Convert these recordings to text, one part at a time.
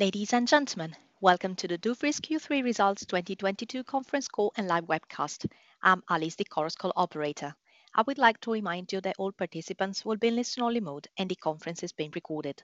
Ladies and gentlemen, welcome to the Dufry's Q3 Results 2022 conference call and live webcast. I'm Alice, the conference call operator. I would like to remind you that all participants will be in listen-only mode, and the conference is being recorded.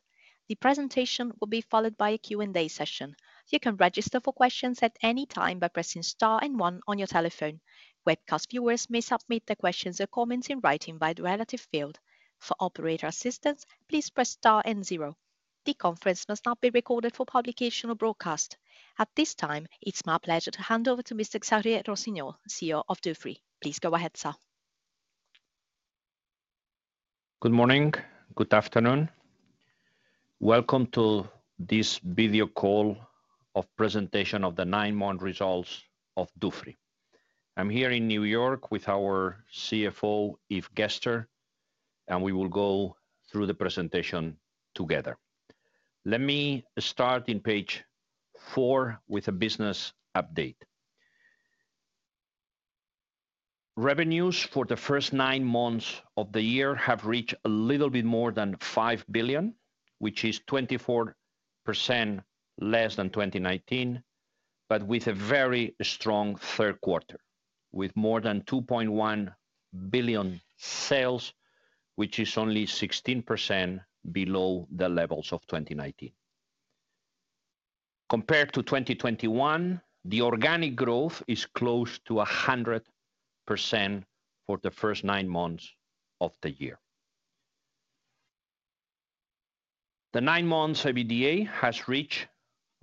The presentation will be followed by a Q&A session. You can register for questions at any time by pressing star and one on your telephone. Webcast viewers may submit their questions or comments in writing via the relative field. For operator assistance, please press star and zero. The conference must not be recorded for publication or broadcast. At this time, it's my pleasure to hand over to Mr. Xavier Rossinyol, CEO of Dufry. Please go ahead, sir. Good morning. Good afternoon. Welcome to this video call of presentation of the nine-month results of Dufry. I'm here in New York with our CFO, Yves Gerster, and we will go through the presentation together. Let me start in page four with a business update. Revenues for the first nine months of the year have reached a little bit more than 5 billion, which is 24% less than 2019, but with a very strong third quarter, with more than 2.1 billion sales, which is only 16% below the levels of 2019. Compared to 2021, the organic growth is close to 100% for the first nine months of the year. The nine months EBITDA has reached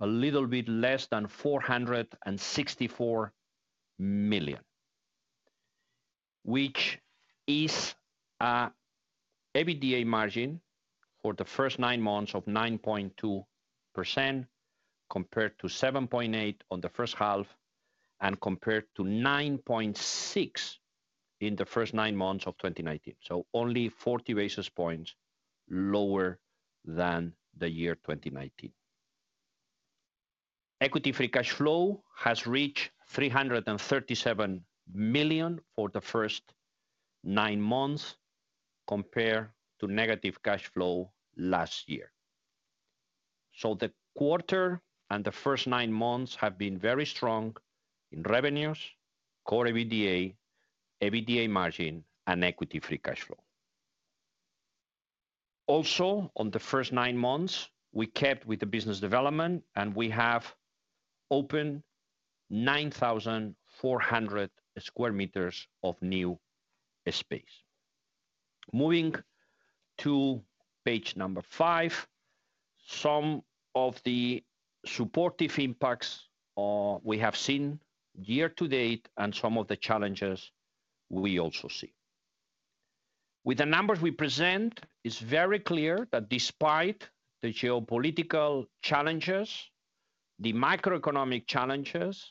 a little bit less than 464 million, which is a EBITDA margin for the first nine months of 9.2%, compared to 7.8% on the first half and compared to 9.6% in the first nine months of 2019. Only 40 basis points lower than the year 2019. Equity free cash flow has reached 337 million for the first nine months, compared to negative cash flow last year. The quarter and the first nine months have been very strong in revenues, core EBITDA margin, and equity free cash flow. Also, on the first nine months, we kept with the business development and we have opened 9,400 square meters of new space. Moving to page number 5, some of the supportive impacts we have seen year-to-date and some of the challenges we also see. With the numbers we present, it's very clear that despite the geopolitical challenges, the macroeconomic challenges,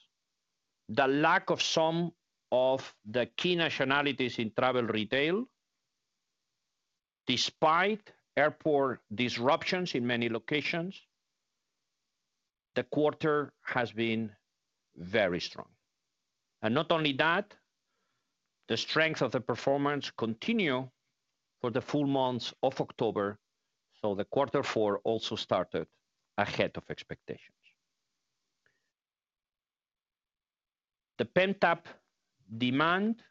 the lack of some of the key nationalities in travel retail, despite airport disruptions in many locations, the quarter has been very strong. Not only that, the strength of the performance continue for the full months of October, so the quarter four also started ahead of expectations. The pent-up demand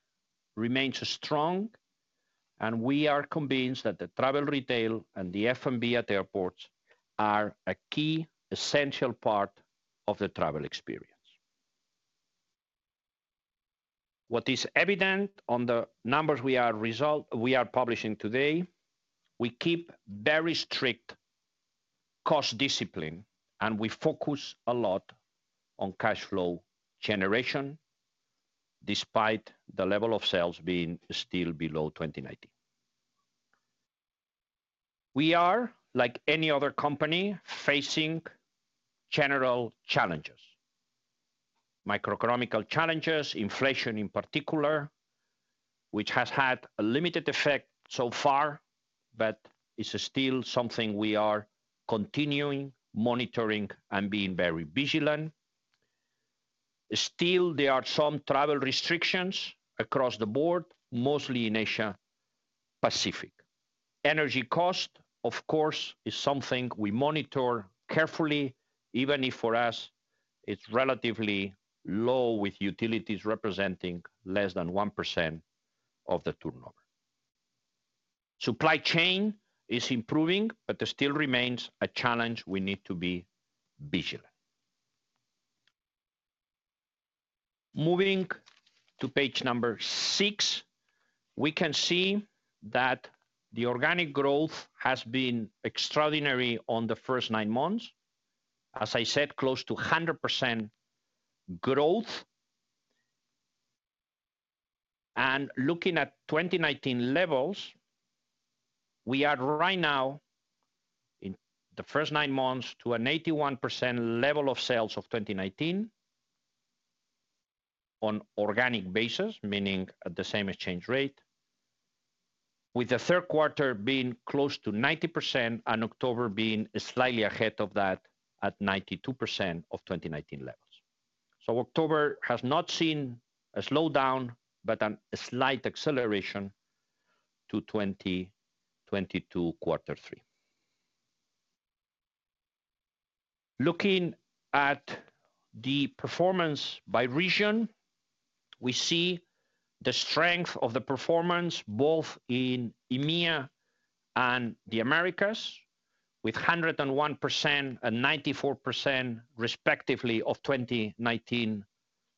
remains strong, and we are convinced that the travel retail and the F&B at airports are a key essential part of the travel experience. What is evident on the numbers we are publishing today, we keep very strict cost discipline, and we focus a lot on cash flow generation despite the level of sales being still below 2019. We are, like any other company, facing general challenges, macroeconomic challenges, inflation in particular, which has had a limited effect so far, but it's still something we are continuing to monitor and being very vigilant. Still, there are some travel restrictions across the board, mostly in Asia Pacific. Energy cost, of course, is something we monitor carefully, even if for us it's relatively low with utilities representing less than 1% of the turnover. Supply chain is improving, but there still remains a challenge we need to be vigilant. Moving to page 6, we can see that the organic growth has been extraordinary on the first 9 months. As I said, close to 100% growth. Looking at 2019 levels, we are right now in the first 9 months to an 81% level of sales of 2019 on organic basis, meaning at the same exchange rate, with the third quarter being close to 90% and October being slightly ahead of that at 92% of 2019 levels. October has not seen a slowdown, but a slight acceleration to 2022 Q3. Looking at the performance by region, we see the strength of the performance both in EMEA and the Americas with 101% and 94% respectively of 2019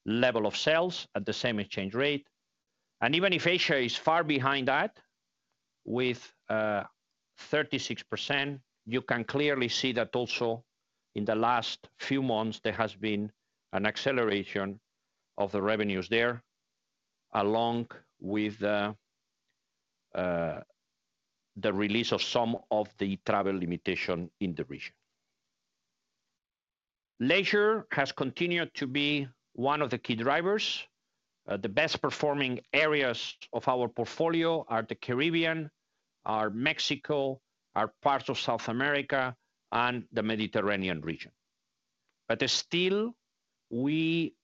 level of sales at the same exchange rate. Even if Asia is far behind that with 36%, you can clearly see that also in the last few months there has been an acceleration of the revenues there, along with the release of some of the travel limitation in the region. Leisure has continued to be one of the key drivers. The best performing areas of our portfolio are the Caribbean, are Mexico, are parts of South America and the Mediterranean region. But still, we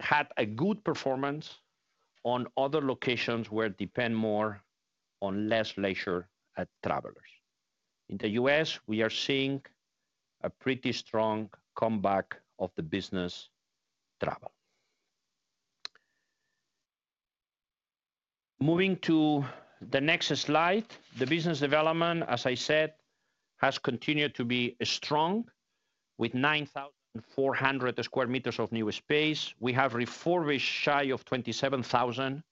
had a good performance on other locations where depend more on less leisure travelers. In the US, we are seeing a pretty strong comeback of the business travel. Moving to the next slide. The business development, as I said, has continued to be strong with 9,400 square meters of new space. We have refurbished shy of 27,000.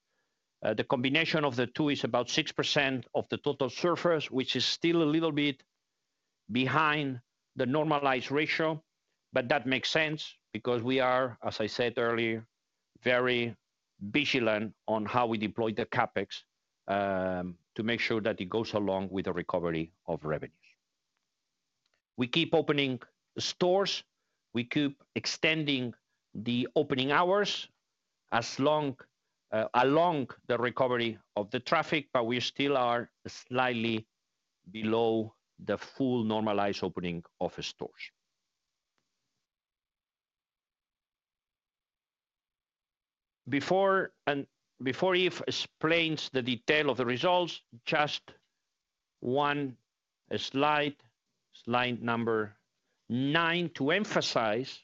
The combination of the two is about 6% of the total surface, which is still a little bit behind the normalized ratio. That makes sense because we are, as I said earlier, very vigilant on how we deploy the CapEx, to make sure that it goes along with the recovery of revenues. We keep opening stores. We keep extending the opening hours along the recovery of the traffic, but we still are slightly below the full normalized opening of stores. Before Yves explains the detail of the results, just one slide number 9, to emphasize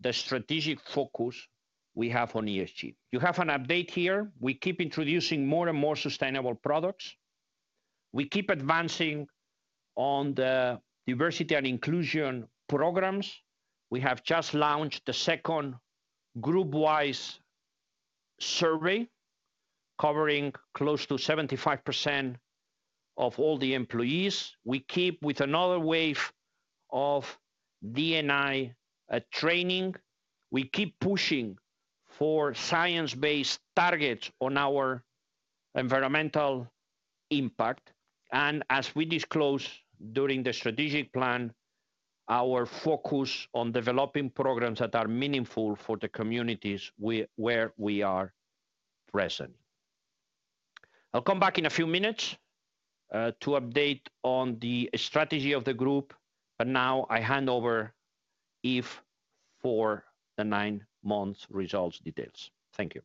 the strategic focus we have on ESG. You have an update here. We keep introducing more and more sustainable products. We keep advancing on the diversity and inclusion programs. We have just launched the second group-wide survey, covering close to 75% of all the employees. We keep with another wave of D&I training. We keep pushing for science-based targets on our environmental impact. As we disclose during the strategic plan, our focus on developing programs that are meaningful for the communities where we are present. I'll come back in a few minutes to update on the strategy of the group, but now I hand over to Yves for the nine-month results details. Thank you.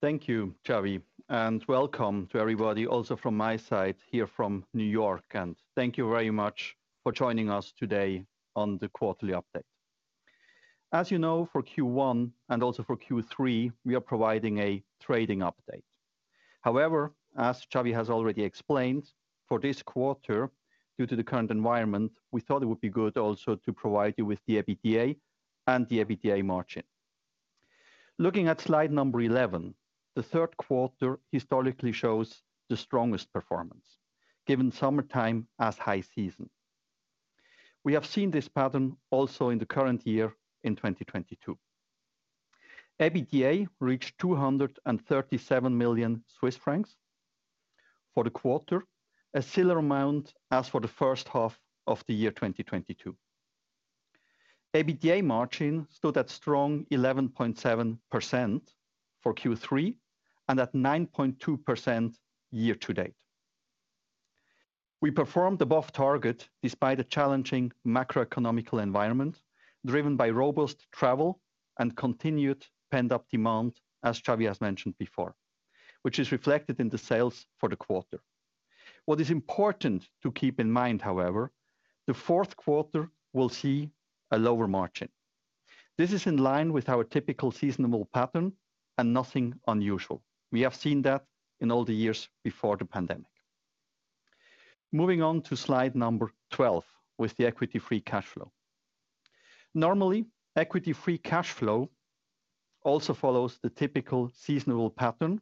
Thank you, Xavi, and welcome to everybody also from my side here from New York. Thank you very much for joining us today on the quarterly update. As you know, for Q1 and also for Q3, we are providing a trading update. However, as Xavi has already explained, for this quarter, due to the current environment, we thought it would be good also to provide you with the EBITDA and the EBITDA margin. Looking at slide 11, the third quarter historically shows the strongest performance, given summertime as high season. We have seen this pattern also in the current year in 2022. EBITDA reached 237 million Swiss francs for the quarter, a similar amount as for the first half of the year, 2022. EBITDA margin stood at strong 11.7% for Q3, and at 9.2% year to date. We performed above target despite a challenging macroeconomic environment driven by robust travel and continued pent-up demand, as Xavier has mentioned before, which is reflected in the sales for the quarter. What is important to keep in mind, however, the fourth quarter will see a lower margin. This is in line with our typical seasonal pattern and nothing unusual. We have seen that in all the years before the pandemic. Moving on to slide 12 with the equity free cash flow. Normally, equity free cash flow also follows the typical seasonal pattern,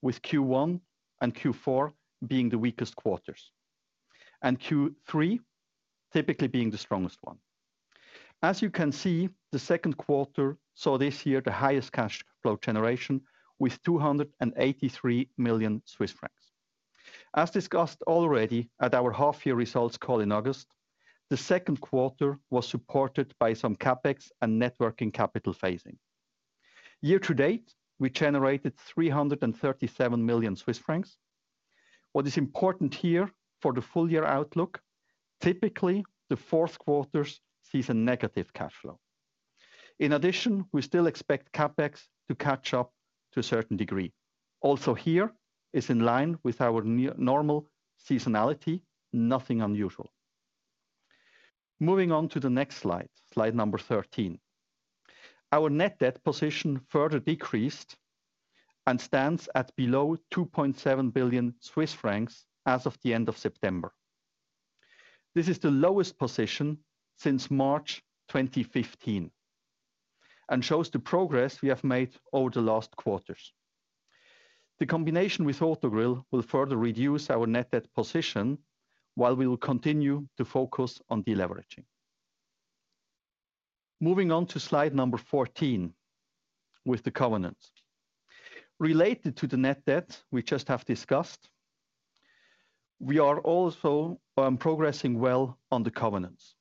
with Q1 and Q4 being the weakest quarters, and Q3 typically being the strongest one. As you can see, the second quarter saw this year the highest cash flow generation with 283 million Swiss francs. As discussed already at our half year results call in August, the second quarter was supported by some CapEx and net working capital phasing. Year to date, we generated 337 million Swiss francs. What is important here for the full year outlook, typically, the fourth quarter sees a negative cash flow. In addition, we still expect CapEx to catch up to a certain degree. Also, this is in line with our new-normal seasonality, nothing unusual. Moving on to the next slide number 13. Our net debt position further decreased and stands at below 2.7 billion Swiss francs as of the end of September. This is the lowest position since March 2015 and shows the progress we have made over the last quarters. The combination with Autogrill will further reduce our net debt position, while we will continue to focus on deleveraging. Moving on to slide number 14, with the covenants. Related to the net debt we just have discussed, we are also progressing well on the covenants.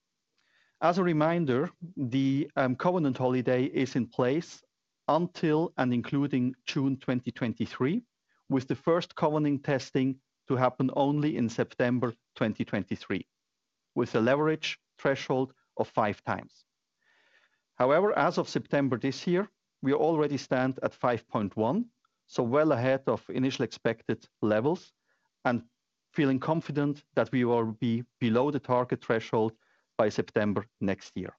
As a reminder, the covenant holiday is in place until and including June 2023, with the first covenant testing to happen only in September 2023, with a leverage threshold of 5x. However, as of September this year, we already stand at 5.1, so well ahead of initial expected levels and feeling confident that we will be below the target threshold by September next year.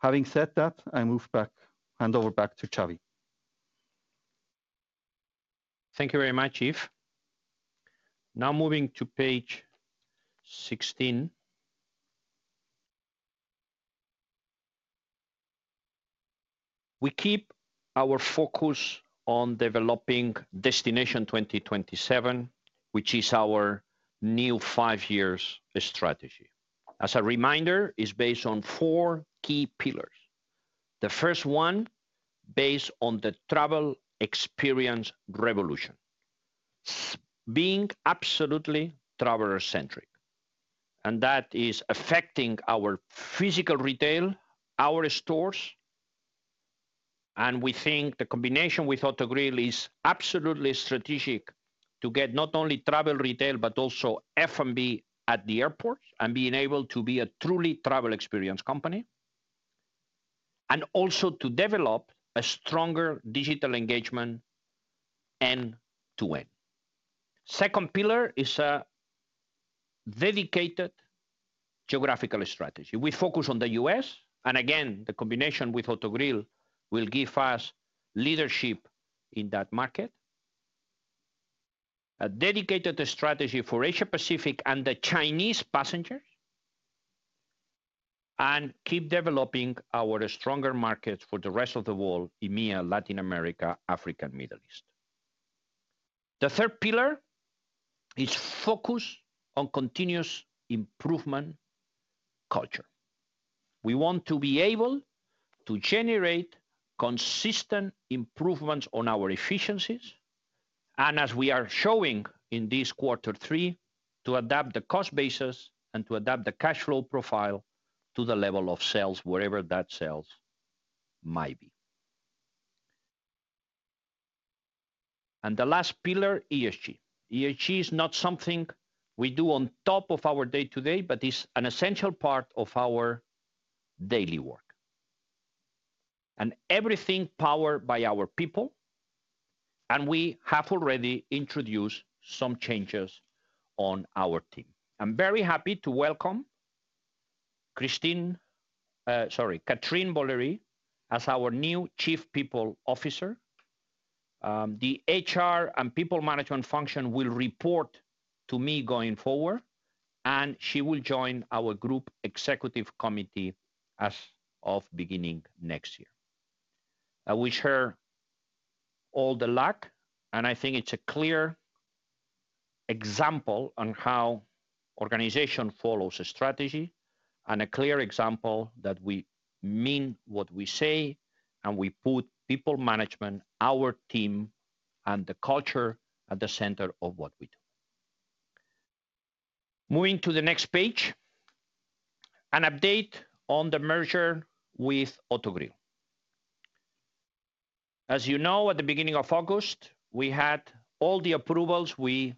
Having said that, I hand over back to Xavier Rossinyol. Thank you very much, Yves. Now moving to page 16. We keep our focus on developing Destination 2027, which is our new five-year strategy. As a reminder, it's based on four key pillars. The first one, based on the travel experience revolution. Being absolutely traveler-centric, and that is affecting our physical retail, our stores. We think the combination with Autogrill is absolutely strategic to get not only travel retail, but also F&B at the airport and being able to be a truly travel experience company. Also to develop a stronger digital engagement end-to-end. Second pillar is a dedicated geographical strategy. We focus on the U.S., and again, the combination with Autogrill will give us leadership in that market. A dedicated strategy for Asia-Pacific and the Chinese passengers. Keep developing our stronger markets for the rest of the world, EMEA, Latin America, Africa, and Middle East. The third pillar is focus on continuous improvement culture. We want to be able to generate consistent improvements on our efficiencies, and as we are showing in this quarter three, to adapt the cost basis and to adapt the cash flow profile to the level of sales, wherever that sales might be. The last pillar, ESG. ESG is not something we do on top of our day-to-day, but is an essential part of our daily work. Everything powered by our people, and we have already introduced some changes on our team. I'm very happy to welcome Katrin Volery as our new Chief People Officer. The HR and people management function will report to me going forward, and she will join our Group Executive Committee as of beginning next year. I wish her all the luck, and I think it's a clear example on how organization follows a strategy, and a clear example that we mean what we say, and we put people management, our team, and the culture at the center of what we do. Moving to the next page, an update on the merger with Autogrill. As you know, at the beginning of August, we had all the approvals we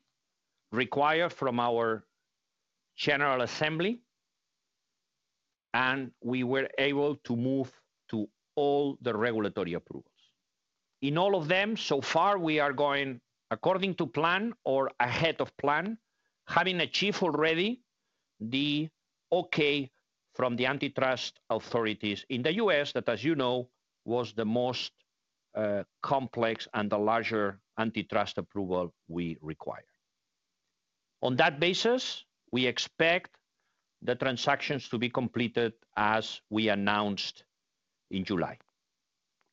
require from our general assembly, and we were able to move to all the regulatory approvals. In all of them, so far, we are going according to plan or ahead of plan, having achieved already the okay from the antitrust authorities in the U.S. that, as you know, was the most, complex and the larger antitrust approval we require. On that basis, we expect the transactions to be completed as we announced in July.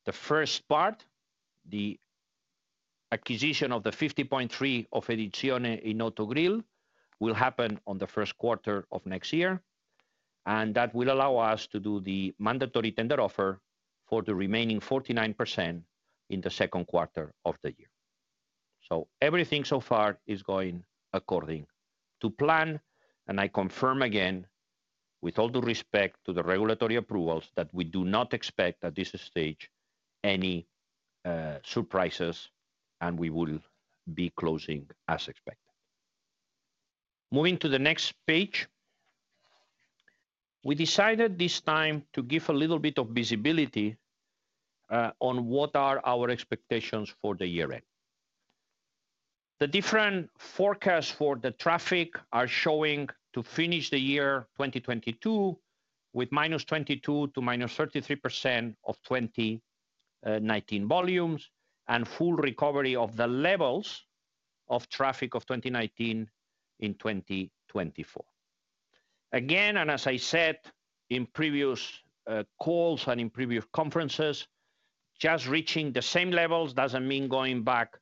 The first part, the acquisition of the 50.3 of Edizione in Autogrill, will happen on the first quarter of next year, and that will allow us to do the mandatory tender offer for the remaining 49% in the second quarter of the year. Everything so far is going according to plan, and I confirm again. With all due respect to the regulatory approvals that we do not expect at this stage any surprises and we will be closing as expected. Moving to the next page. We decided this time to give a little bit of visibility on what are our expectations for the year end. The different forecasts for the traffic are showing to finish the year 2022 with -22% to -33% of 2019 volumes, and full recovery of the levels of traffic of 2019 in 2024. Again, as I said in previous calls and in previous conferences, just reaching the same levels doesn't mean going back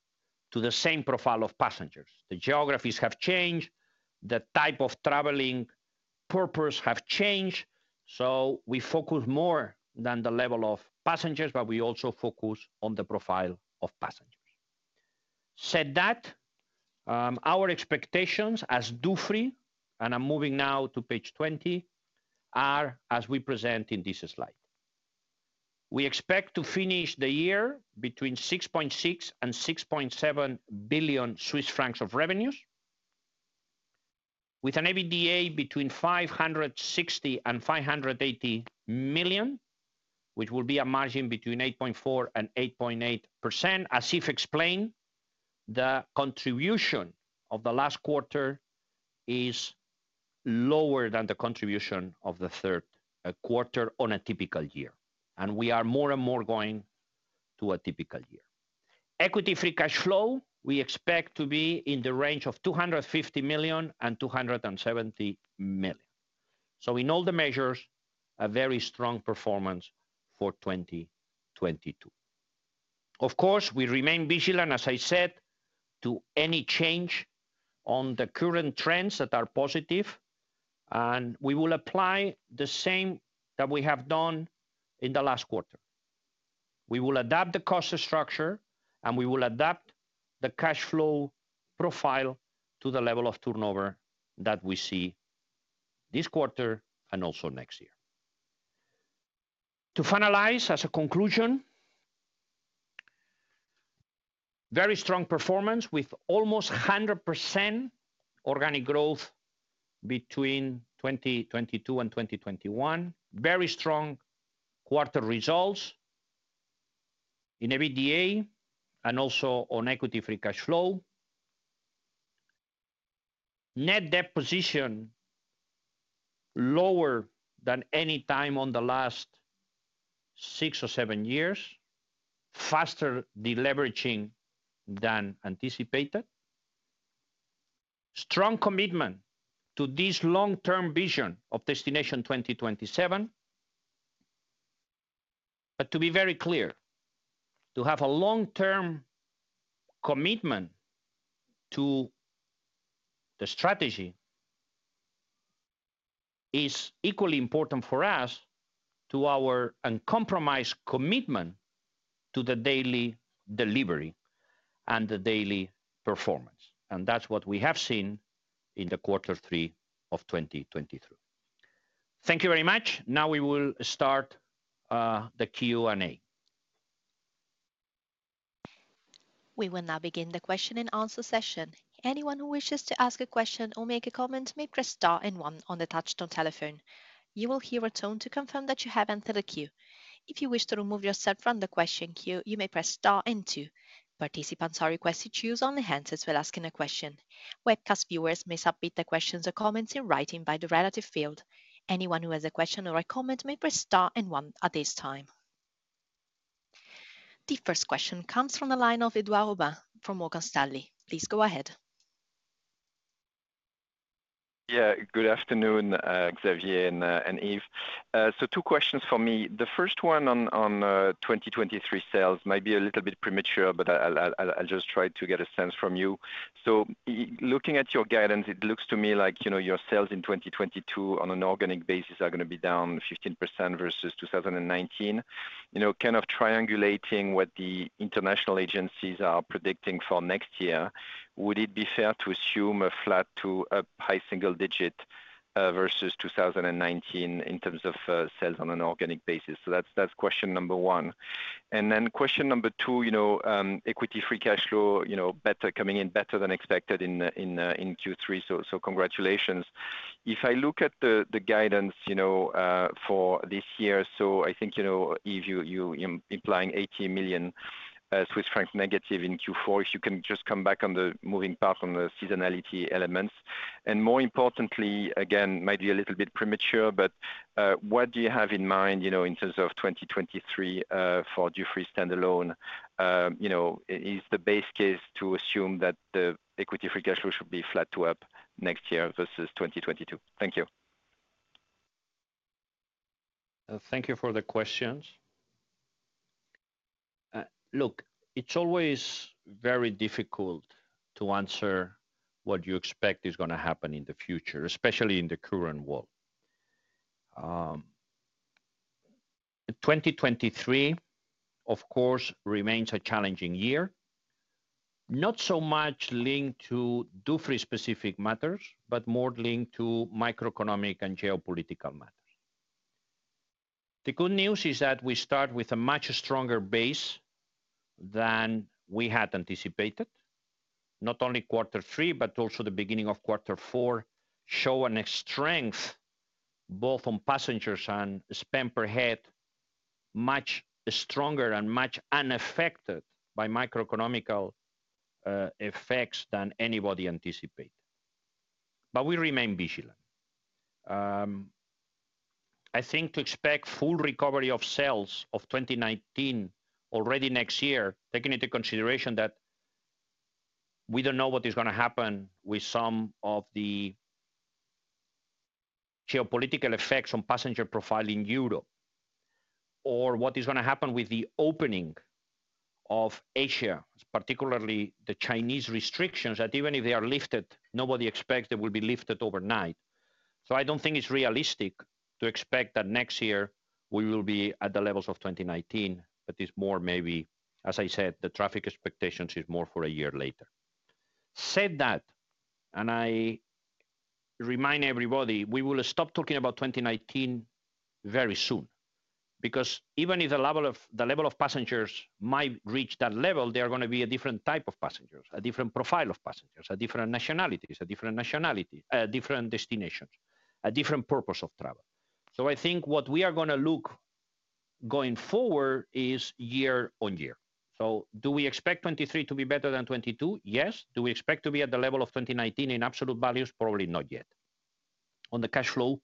to the same profile of passengers. The geographies have changed, the type of traveling purpose have changed. We focus more than the level of passengers, but we also focus on the profile of passengers. That said, our expectations as Dufry, and I'm moving now to page 20, are as we present in this slide. We expect to finish the year between 6.6 billion and 6.7 billion Swiss francs of revenues, with an EBITDA between 560 million and 580 million, which will be a margin between 8.4% and 8.8%. As Yves explained, the contribution of the last quarter is lower than the contribution of the third quarter on a typical year, and we are more and more going to a typical year. Equity Free Cash Flow, we expect to be in the range of 250 million and 270 million. In all the measures, a very strong performance for 2022. Of course, we remain vigilant, as I said, to any change on the current trends that are positive, and we will apply the same that we have done in the last quarter. We will adapt the cost structure, and we will adapt the cash flow profile to the level of turnover that we see this quarter and also next year. To finalize, as a conclusion, very strong performance with almost 100% organic growth between 2022 and 2021. Very strong quarter results in EBITDA and also on Equity Free Cash Flow. Net debt position lower than any time in the last 6 or 7 years. Faster deleveraging than anticipated. Strong commitment to this long-term vision of Destination 2027. To be very clear, to have a long-term commitment to the strategy is equally important for us to our uncompromised commitment to the daily delivery and the daily performance, and that's what we have seen in quarter 3 of 2023. Thank you very much. Now we will start the Q&A. We will now begin the question and answer session. Anyone who wishes to ask a question or make a comment may press star and one on the touchtone telephone. You will hear a tone to confirm that you have entered the queue. If you wish to remove yourself from the question queue, you may press star and two. Participants are requested to use only handsets when asking a question. Webcast viewers may submit their questions or comments in writing in the relevant field. Anyone who has a question or a comment may press star and one at this time. The first question comes from the line of Edward Robinson from Morgan Stanley. Please go ahead. Yeah. Good afternoon, Xavier and Yves. Two questions for me. The first one on 2023 sales might be a little bit premature, but I'll just try to get a sense from you. Looking at your guidance, it looks to me like, you know, your sales in 2022 on an organic basis are gonna be down 15% versus 2019. You know, kind of triangulating what the international agencies are predicting for next year, would it be fair to assume a flat to a high single digit versus 2019 in terms of sales on an organic basis? That's question number one. Then question number two, you know, equity free cash flow, you know, better coming in than expected in Q3, so congratulations. If I look at the guidance, you know, for this year, so I think, you know, Yves, you implying -80 million Swiss franc in Q4, if you can just come back on the moving part on the seasonality elements. More importantly, again, might be a little bit premature, but what do you have in mind, you know, in terms of 2023, for Dufry standalone? You know, is the base case to assume that the equity free cash flow should be flat to up next year versus 2022? Thank you. Thank you for the questions. Look, it's always very difficult to answer what you expect is gonna happen in the future, especially in the current world. 2023, of course, remains a challenging year. Not so much linked to Dufry specific matters, but more linked to microeconomic and geopolitical matters. The good news is that we start with a much stronger base than we had anticipated. Not only quarter three, but also the beginning of quarter four, show a strength, both on passengers and spend per head, much stronger and much unaffected by microeconomic effects than anybody anticipate. We remain vigilant. I think to expect full recovery of sales of 2019 already next year, taking into consideration that we don't know what is gonna happen with some of the geopolitical effects on passenger profile in Europe, or what is gonna happen with the opening of Asia, particularly the Chinese restrictions, that even if they are lifted, nobody expects they will be lifted overnight. I don't think it's realistic to expect that next year we will be at the levels of 2019, but it's more maybe, as I said, the traffic expectations is more for a year later. That said, I remind everybody, we will stop talking about 2019 very soon. Because even if the level of passengers might reach that level, they are gonna be a different type of passengers, a different profile of passengers, a different nationality, different destinations, a different purpose of travel. I think what we are gonna look going forward is year on year. Do we expect 2023 to be better than 2022? Yes. Do we expect to be at the level of 2019 in absolute values? Probably not yet. On the cash flow,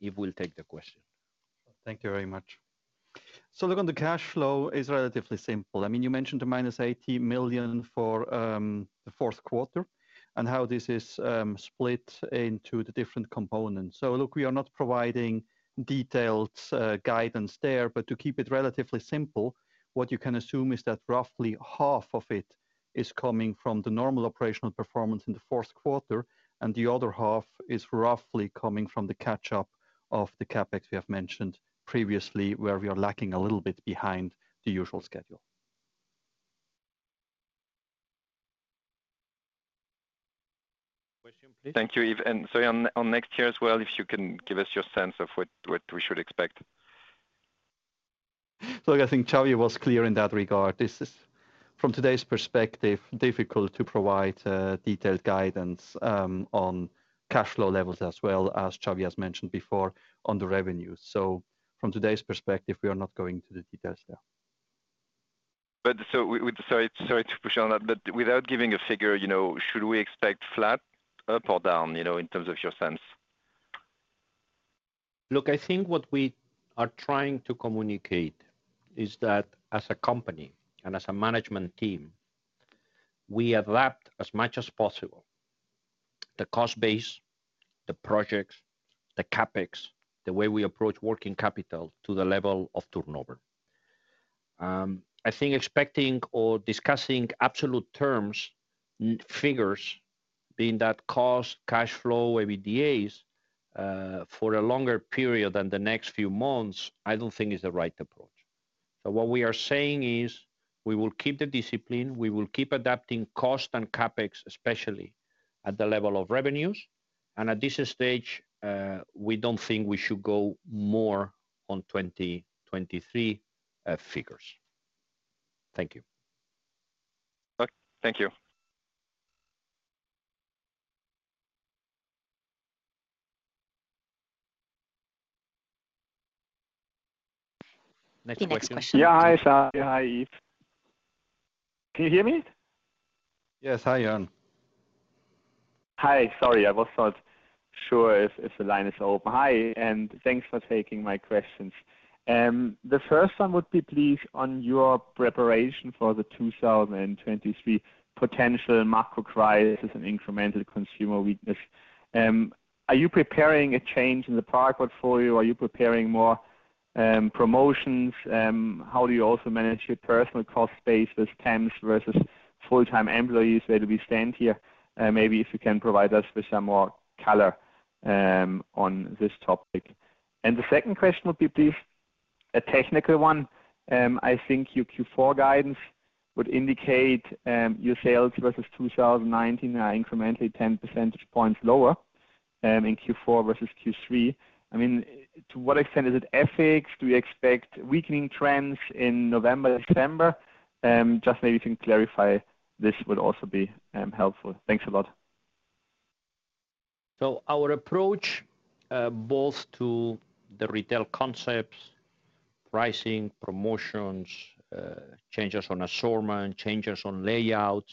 Yves will take the question. Thank you very much. Look, on the cash flow is relatively simple. I mean, you mentioned the -80 million for the fourth quarter, and how this is split into the different components. Look, we are not providing detailed guidance there, but to keep it relatively simple, what you can assume is that roughly half of it is coming from the normal operational performance in the fourth quarter, and the other half is roughly coming from the catch-up of the CapEx we have mentioned previously, where we are lacking a little bit behind the usual schedule. Question, please. Thank you, Yves. Sorry, on next year as well, if you can give us your sense of what we should expect? Look, I think Xavi was clear in that regard. This is, from today's perspective, difficult to provide detailed guidance on cash flow levels as well as Xavi has mentioned before on the revenues. From today's perspective, we are not going to the details there. Sorry to push on that, but without giving a figure, you know, should we expect flat, up or down, you know, in terms of your sense? Look, I think what we are trying to communicate is that as a company and as a management team, we adapt as much as possible the cost base, the projects, the CapEx, the way we approach working capital to the level of turnover. I think expecting or discussing absolute terms, figures being that cost, cash flow, EBITDA, for a longer period than the next few months, I don't think is the right approach. What we are saying is, we will keep the discipline, we will keep adapting cost and CapEx, especially at the level of revenues. At this stage, we don't think we should go more on 2023 figures. Thank you. Okay. Thank you. Next question. The next question. Yeah. Hi, Xavi. Hi, Yves. Can you hear me? Yes. Hi, Jörn. Hi. Sorry. I was not sure if the line is open. Hi, thanks for taking my questions. The first one would be please on your preparation for the 2023 potential macro crisis and incremental consumer weakness. Are you preparing a change in the product portfolio? Are you preparing more promotions? How do you also manage your personnel cost base with temps versus full-time employees? Where do we stand here? Maybe if you can provide us with some more color on this topic. The second question would be please a technical one. I think your Q4 guidance would indicate your sales versus 2019 are incrementally 10 percentage points lower in Q4 versus Q3. I mean, to what extent is it FX? Do you expect weakening trends in November, December? Just maybe you can clarify. This would also be helpful. Thanks a lot. Our approach, both to the retail concepts, pricing, promotions, changes on assortment, changes on layout,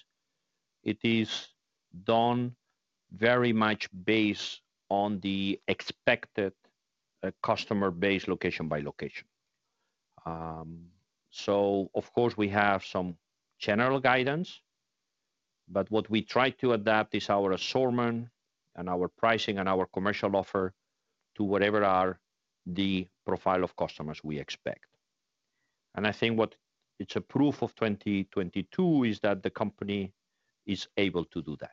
it is done very much based on the expected customer base location by location. Of course, we have some general guidance, but what we try to adapt is our assortment and our pricing and our commercial offer to whatever are the profile of customers we expect. I think what it's a proof of 2022 is that the company is able to do that.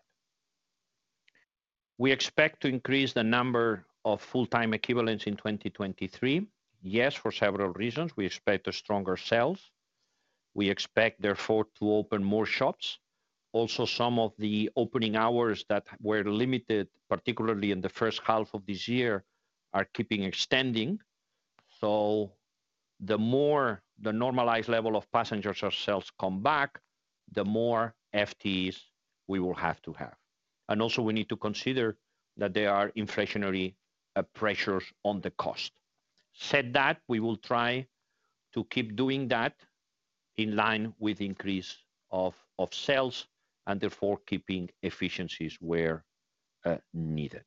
We expect to increase the number of full-time equivalents in 2023. Yes, for several reasons. We expect stronger sales. We expect therefore to open more shops. Also, some of the opening hours that were limited, particularly in the first half of this year, are keeping extending. The more the normalized level of passengers or sales come back, the more FTEs we will have to have. We also need to consider that there are inflationary pressures on the cost. That said, we will try to keep doing that in line with increase of sales and therefore keeping efficiencies where needed.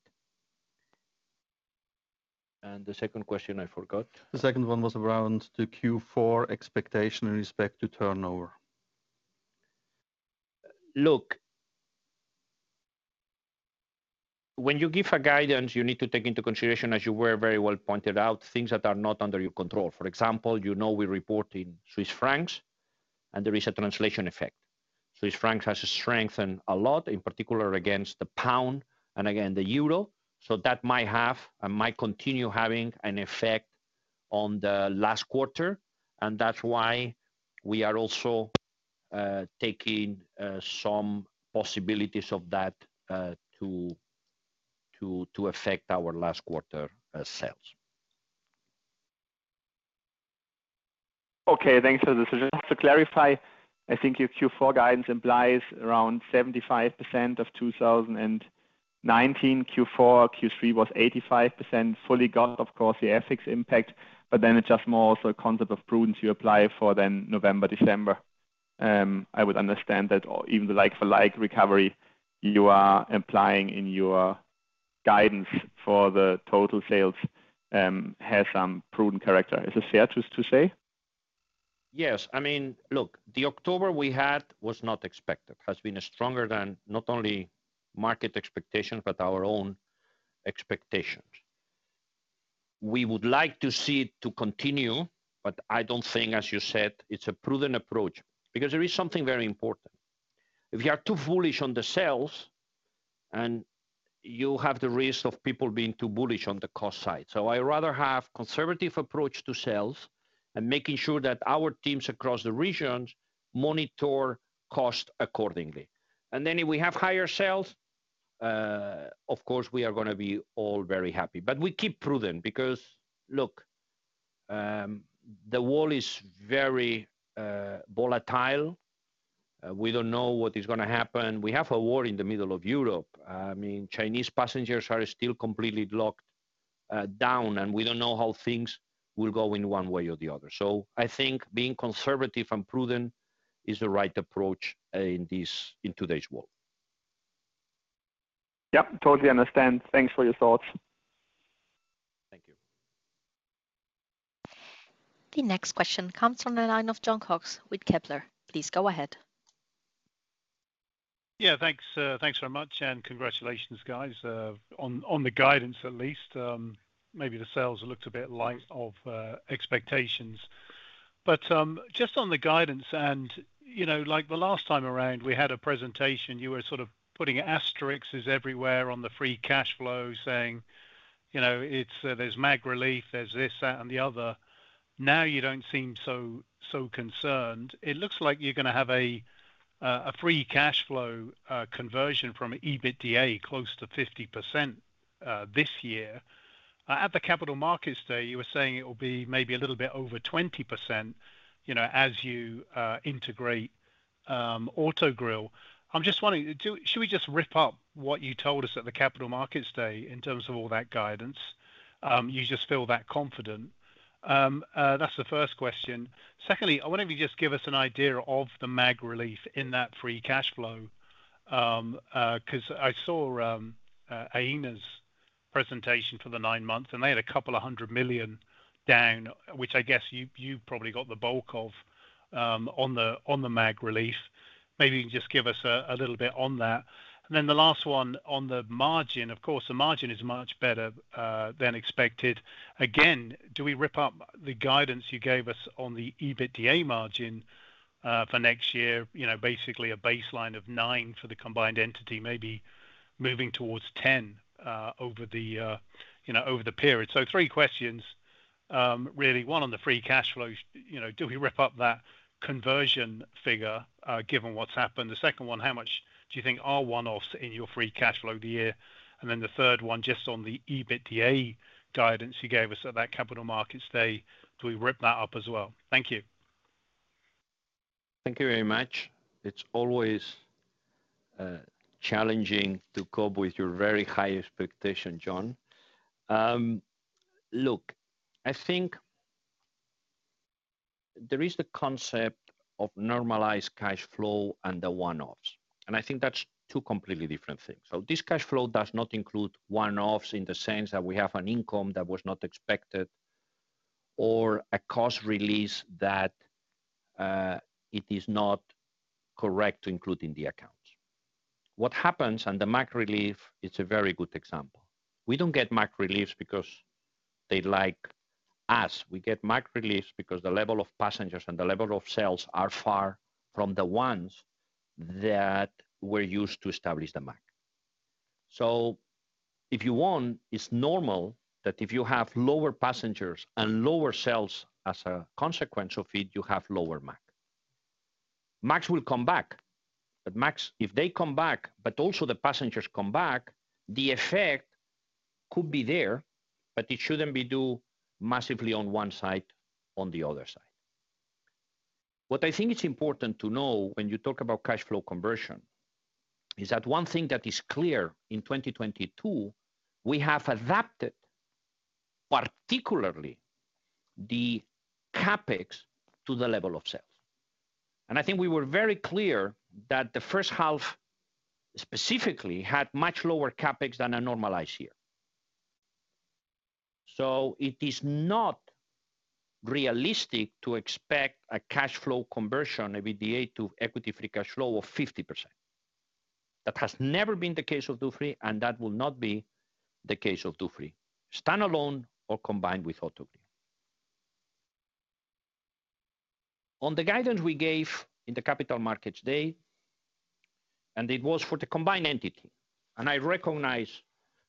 The second question, I forgot. The second one was around the Q4 expectation in respect to turnover. Look, when you give a guidance, you need to take into consideration, as you very well pointed out, things that are not under your control. For example, you know we report in Swiss francs and there is a translation effect. Swiss francs has strengthened a lot, in particular against the pound and again, the euro. So that might have and might continue having an effect on the last quarter, and that's why we are also taking some possibilities of that to affect our last quarter sales. Okay. Thanks for the decision. To clarify, I think your Q4 guidance implies around 75% of 2019 Q4. Q3 was 85% fully gone, of course, the FX impact, but then it's just more so a concept of prudence you apply for then November, December. I would understand that even the like-for-like recovery you are implying in your guidance for the total sales has some prudent character. Is it fair to say? Yes. I mean, look, the October we had was not expected. It has been stronger than not only market expectations, but our own expectations. We would like to see it continue, but I don't think, as you said, it's a prudent approach. There is something very important. If you are too focused on the sales and you have the risk of people being too bullish on the cost side. I rather have conservative approach to sales and making sure that our teams across the regions monitor cost accordingly. If we have higher sales, of course, we are gonna be all very happy. We keep prudent because, look, the world is very volatile. We don't know what is gonna happen. We have a war in the middle of Europe. I mean, Chinese passengers are still completely locked down, and we don't know how things will go in one way or the other. I think being conservative and prudent is the right approach in today's world. Yep. Totally understand. Thanks for your thoughts. Thank you. The next question comes from the line of Jon Cox with Kepler Cheuvreux. Please go ahead. Thanks very much, and congratulations, guys, on the guidance, at least. Maybe the sales looked a bit light of expectations. Just on the guidance and, you know, like the last time around, we had a presentation, you were sort of putting asterisks everywhere on the free cash flow saying, you know, it's there’s MAG relief, there’s this, that, and the other. Now you don't seem so concerned. It looks like you're gonna have a free cash flow conversion from EBITDA close to 50%, this year. At the Capital Markets Day, you were saying it will be maybe a little bit over 20%, you know, as you integrate Autogrill. I'm just wondering, should we just rip up what you told us at the Capital Markets Day in terms of all that guidance? You just feel that confident? That's the first question. Secondly, I wonder if you just give us an idea of the MAG relief in that free cash flow, 'cause I saw Aena's presentation for the nine months, and they had 200 million down, which I guess you probably got the bulk of, on the MAG release. Maybe you can just give us a little bit on that. The last one on the margin. Of course, the margin is much better than expected. Again, do we rip up the guidance you gave us on the EBITDA margin for next year? You know, basically a baseline of 9% for the combined entity, maybe moving towards 10%, over the period. Three questions, really. One on the free cash flow, you know, do we rip up that conversion figure, given what's happened? The second one, how much do you think are one-offs in your free cash flow of the year? The third one, just on the EBITDA guidance you gave us at that Capital Markets Day, do we rip that up as well? Thank you. Thank you very much. It's always challenging to cope with your very high expectation, John. Look, I think there is the concept of normalized cash flow and the one-offs, and I think that's two completely different things. This cash flow does not include one-offs in the sense that we have an income that was not expected or a cost release that it is not correct to include in the accounts. What happens, and the MAG relief is a very good example. We don't get MAG reliefs because they like us. We get MAG relief because the level of passengers and the level of sales are far from the ones that were used to establish the MAG. If you want, it's normal that if you have lower passengers and lower sales as a consequence of it, you have lower MAG. MAGs will come back. MAGs, if they come back, but also the passengers come back, the effect could be there, but it shouldn't be due massively on one side, on the other side. What I think is important to know when you talk about cash flow conversion is that one thing that is clear in 2022, we have adapted particularly the CapEx to the level of sales. I think we were very clear that the first half specifically had much lower CapEx than a normalized year. It is not realistic to expect a cash flow conversion, EBITDA to equity free cash flow of 50%. That has never been the case of Dufry, and that will not be the case of Dufry, standalone or combined with Autogrill. On the guidance we gave in the Capital Markets Day, it was for the combined entity. I recognize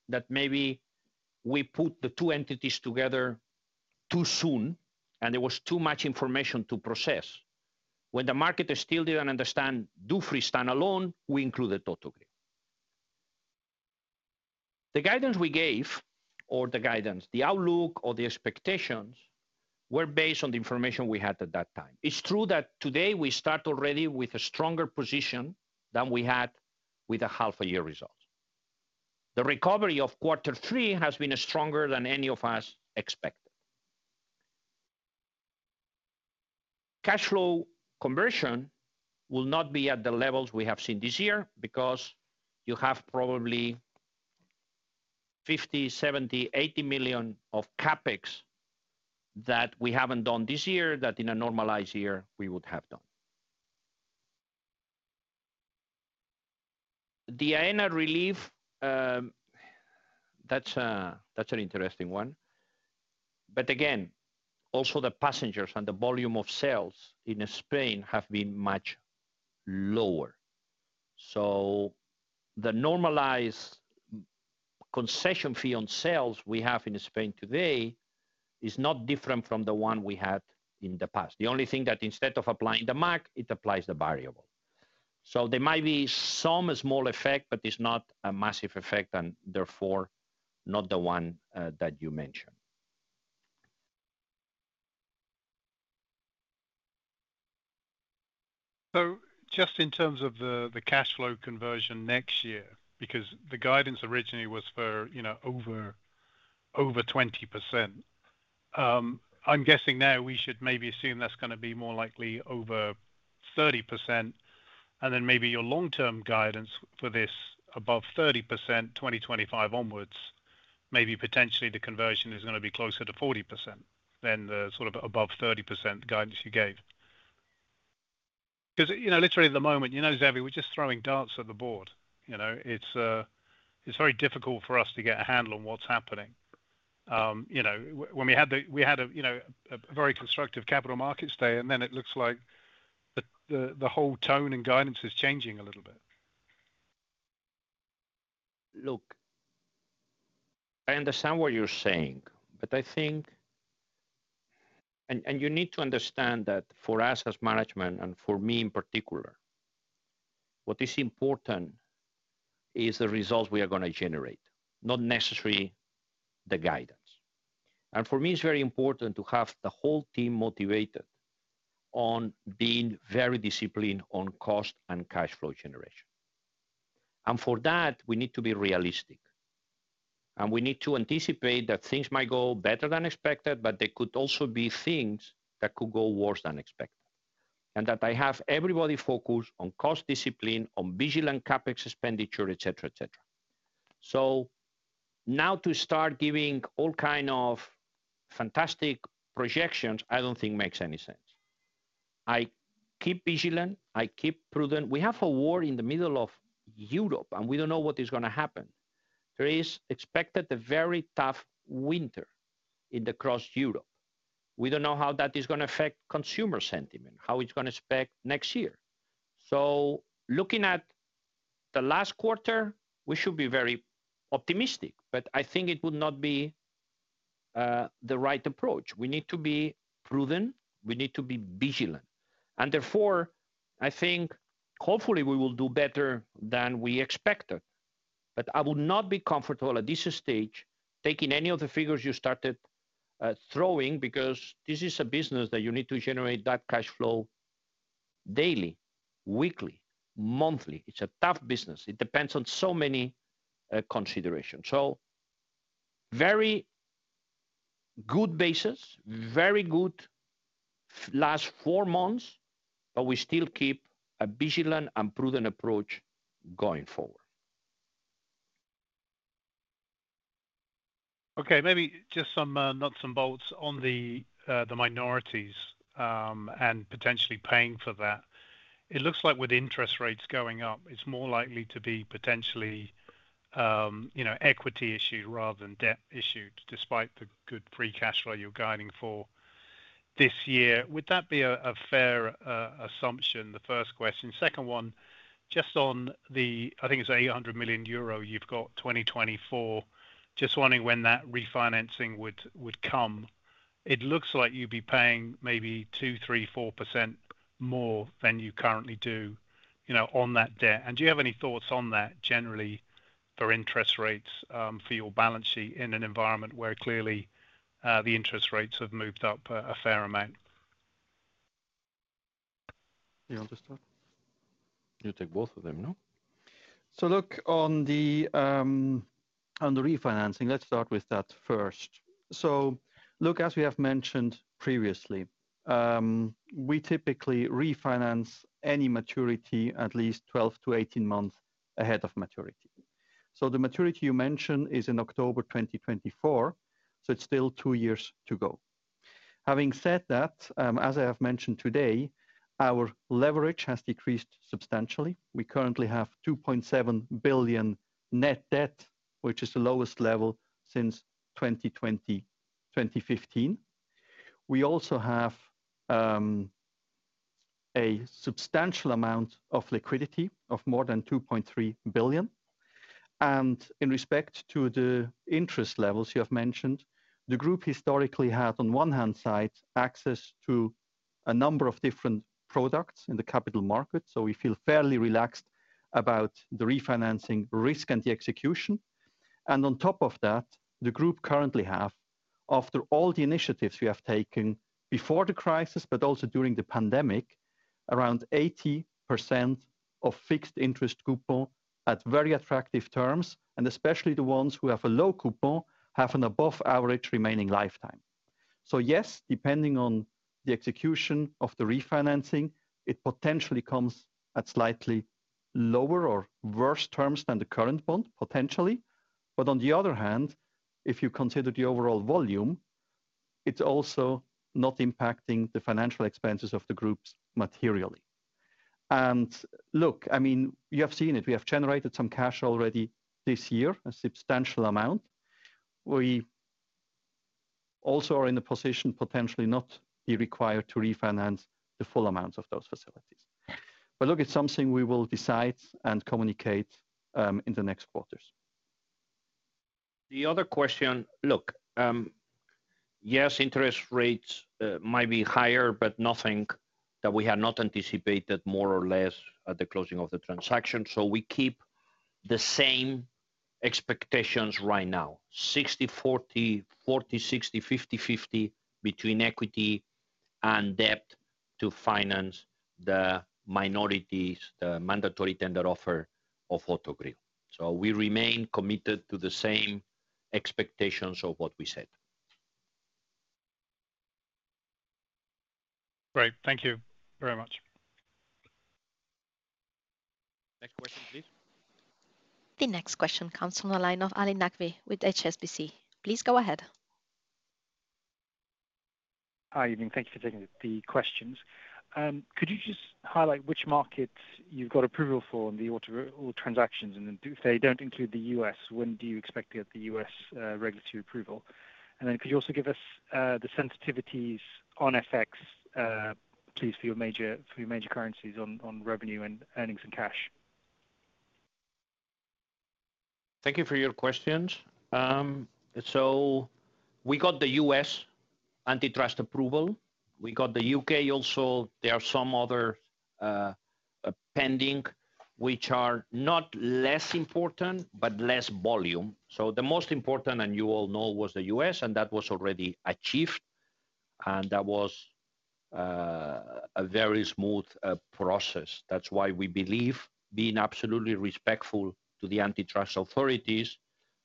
that maybe we put the two entities together too soon, there was too much information to process. When the market still didn't understand Dufry standalone, we included Autogrill. The guidance we gave, or the guidance, the outlook or the expectations were based on the information we had at that time. It's true that today we start already with a stronger position than we had with the half-year results. The recovery of quarter three has been stronger than any of us expected. Cash flow conversion will not be at the levels we have seen this year because you have probably 50 million, 70 million, 80 million of CapEx that we haven't done this year that in a normalized year we would have done. The Aena relief, that's an interesting one. Again, also the passengers and the volume of sales in Spain have been much lower. The normalized concession fee on sales we have in Spain today is not different from the one we had in the past. The only thing that instead of applying the MAG, it applies the variable. There might be some small effect, but it's not a massive effect, and therefore, not the one that you mentioned. Just in terms of the cash flow conversion next year, because the guidance originally was for, you know, over 20%. I'm guessing now we should maybe assume that's gonna be more likely over 30%, and then maybe your long-term guidance for this above 30%, 2025 onwards, maybe potentially the conversion is gonna be closer to 40% than the sort of above 30% guidance you gave. 'Cause, you know, literally at the moment, you know, Xavier, we're just throwing darts at the board, you know? It's very difficult for us to get a handle on what's happening. You know, when we had the, we had a, you know, a very constructive Capital Markets Day, and then it looks like the whole tone and guidance is changing a little bit. Look, I understand what you're saying, but I think. You need to understand that for us as management, and for me in particular, what is important is the results we are gonna generate, not necessarily the guidance. For me, it's very important to have the whole team motivated on being very disciplined on cost and cash flow generation. For that, we need to be realistic, and we need to anticipate that things might go better than expected, but there could also be things that could go worse than expected. That I have everybody focused on cost discipline, on vigilant CapEx expenditure, et cetera, et cetera. Now to start giving all kind of fantastic projections, I don't think makes any sense. I keep vigilant, I keep prudent. We have a war in the middle of Europe, and we don't know what is gonna happen. There is expected a very tough winter across Europe. We don't know how that is gonna affect consumer sentiment, how it's gonna affect next year. Looking at the last quarter, we should be very optimistic, but I think it would not be the right approach. We need to be prudent. We need to be vigilant. Therefore, I think hopefully we will do better than we expected. I would not be comfortable at this stage taking any of the figures you started throwing, because this is a business that you need to generate that cash flow daily, weekly, monthly. It's a tough business. It depends on so many considerations. Very good basis, very good last four months, but we still keep a vigilant and prudent approach going forward. Okay, maybe just some nuts and bolts on the minorities and potentially paying for that. It looks like with interest rates going up, it's more likely to be potentially, you know, equity issued rather than debt issued, despite the good free cash flow you're guiding for this year. Would that be a fair assumption? The first question. Second one, I think it's 800 million euro you've got 2024. Just wondering when that refinancing would come. It looks like you'd be paying maybe 2%-4% more than you currently do, you know, on that debt. Do you have any thoughts on that generally for interest rates for your balance sheet in an environment where clearly the interest rates have moved up a fair amount? You want to start? You take both of them, no? Look, on the refinancing, let's start with that first. Look, as we have mentioned previously, we typically refinance any maturity at least 12-18 months ahead of maturity. The maturity you mentioned is in October 2024, it's still two years to go. Having said that, as I have mentioned today, our leverage has decreased substantially. We currently have 2.7 billion net debt, which is the lowest level since 2015. We also have a substantial amount of liquidity of more than 2.3 billion. In respect to the interest levels you have mentioned, the group historically had, on one hand side, access to a number of different products in the capital market. We feel fairly relaxed about the refinancing risk and the execution. On top of that, the group currently have, after all the initiatives we have taken before the crisis, but also during the pandemic, around 80% of fixed interest coupon at very attractive terms, and especially the ones who have a low coupon, have an above average remaining lifetime. Yes, depending on the execution of the refinancing, it potentially comes at slightly lower or worse terms than the current bond, potentially. On the other hand, if you consider the overall volume, it's also not impacting the financial expenses of the group's materially. Look, I mean, you have seen it. We have generated some cash already this year, a substantial amount. We also are in a position potentially not be required to refinance the full amount of those facilities. Look, it's something we will decide and communicate in the next quarters. The other question, look, yes, interest rates might be higher, but nothing that we had not anticipated more or less at the closing of the transaction. We keep the same expectations right now, 60/40/60, 50/50 between equity and debt to finance the minorities, the mandatory tender offer of Autogrill. We remain committed to the same expectations of what we said. Great. Thank you very much. Next question, please. The next question comes from the line of Ali Naqvi with HSBC. Please go ahead. Hi, evening. Thank you for taking the questions. Could you just highlight which markets you've got approval for in the Autogrill or transactions? If they don't include the U.S., when do you expect to get the U.S. regulatory approval? Could you also give us the sensitivities on FX please, for your major currencies on revenue and earnings and cash? Thank you for your questions. We got the U.S. antitrust approval. We got the U.K. also. There are some other pending, which are not less important but less volume. The most important, and you all know, was the U.S., and that was already achieved, and that was a very smooth process. That's why we believe being absolutely respectful to the antitrust authorities,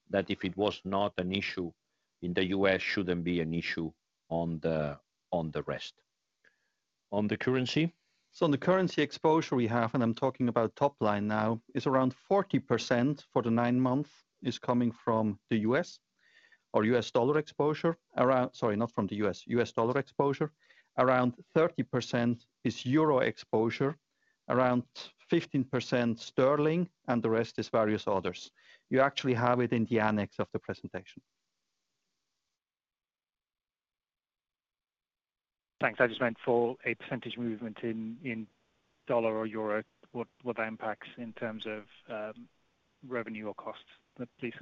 that if it was not an issue in the U.S., shouldn't be an issue on the rest. On the currency? On the currency exposure we have, and I'm talking about top line now, is around 40% for the nine months is US dollar exposure. Around 30% is euro exposure, around 15% sterling, and the rest is various others. You actually have it in the annex of the presentation. Thanks. I just meant for a percentage movement in dollar or euro, what that impacts in terms of revenue or costs, please?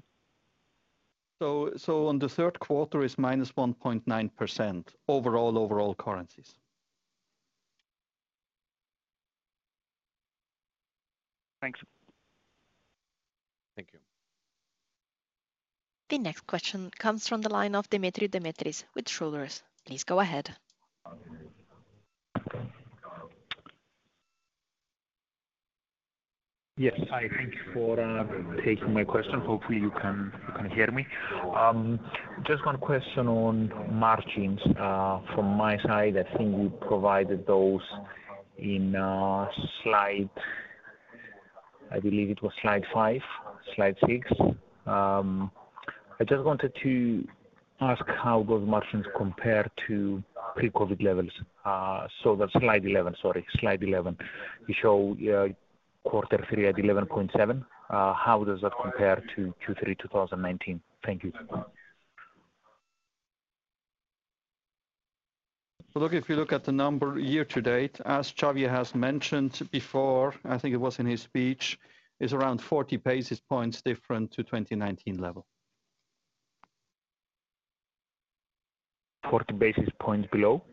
On the third quarter is -1.9% overall currencies. Thanks. Thank you. The next question comes from the line of Dimitri Demetriades with Schroders. Please go ahead. Yes. Hi. Thank you for taking my question. Hopefully you can hear me. Just one question on margins. From my side, I think we provided those in slide 10. I believe it was slide five, slide six. I just wanted to ask how those margins compare to pre-COVID levels. That's slide 11, sorry, slide 11. You show, yeah, Q3 at 11.7%. How does that compare to Q3 2019? Thank you. Look, if you look at the number year-to-date, as Xavier has mentioned before, I think it was in his speech, it's around 40 basis points different to 2019 level. 40 basis points below?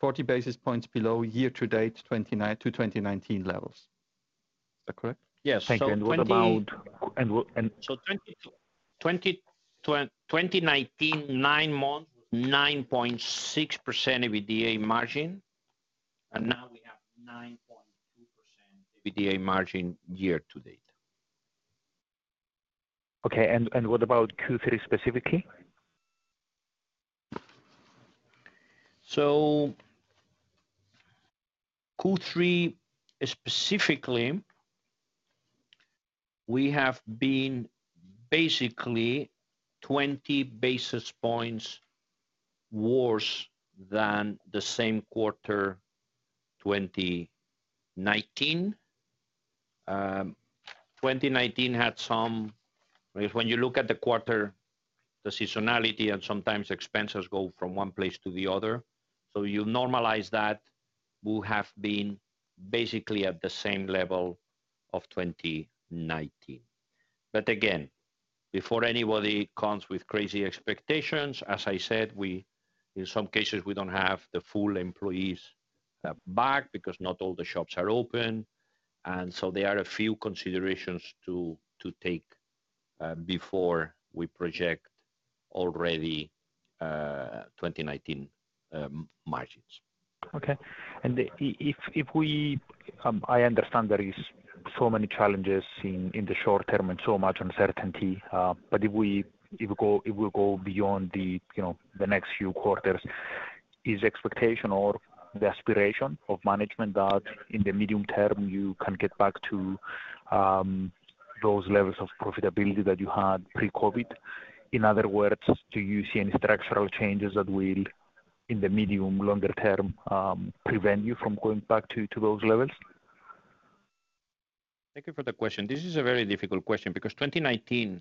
40 basis points below year-to-date 2019 levels. Is that correct? Yes. 20 Thank you. What about 2019 nine-month, 9.6% EBITDA margin, and now we have 9.2% EBITDA margin year to date. Okay. What about Q3 specifically? Q3 specifically, we have been basically 20 basis points worse than the same quarter, 2019. 2019 had some. Even when you look at the quarter, the seasonality and sometimes expenses go from one place to the other. You normalize that, we have been basically at the same level of 2019. Again, before anybody comes with crazy expectations, as I said, in some cases we don't have the full employees back because not all the shops are open. There are a few considerations to take before we project already 2019 margins. Okay. I understand there is so many challenges in the short term and so much uncertainty, but if we go beyond the you know the next few quarters, is expectation or the aspiration of management that in the medium term you can get back to those levels of profitability that you had pre-COVID? In other words, do you see any structural changes that will in the medium longer term prevent you from going back to those levels? Thank you for the question. This is a very difficult question because 2019.